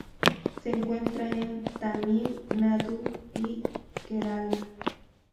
Se encuentra en Tamil Nadu y Kerala.